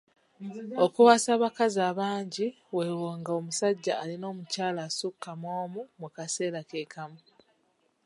Okuwasa abakazi abangi weewo nga omusajja alina omukyala asukka mw'omu mu kaseera ke kamu.